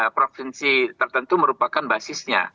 provinsi tertentu merupakan basisnya